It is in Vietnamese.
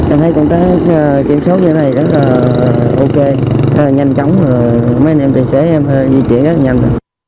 em thấy công tác kiểm soát như thế này rất là ok rất là nhanh chóng mấy anh em tài xế em phải di chuyển rất là nhanh